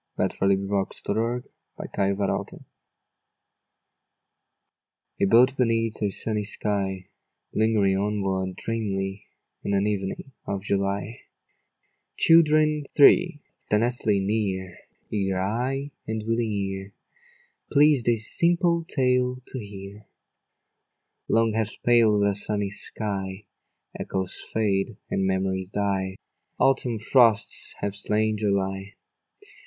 Which do you think it was? A boat beneath a sunny sky, Lingering onward dreamily In an evening of Julyâ Children three that nestle near, Eager eye and willing ear, Pleased a simple tale to hearâ Long has paled that sunny sky: Echoes fade and memories die. Autumn frosts have slain July.